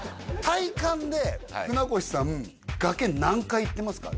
体感で船越さん崖何回行ってますか？